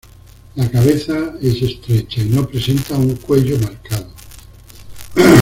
La cabeza es estrecha, y no presenta un cuello marcado.